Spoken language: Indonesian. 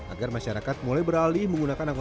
agar masyarakat mulai beralih menggunakan kota termacet